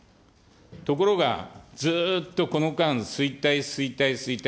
ところが、ずっとこの間、衰退、衰退、衰退。